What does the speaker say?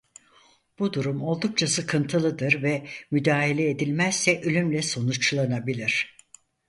Bu durum oldukça sıkıntılıdır ve müdahale edilmezse ölümle sonuçlanabilir.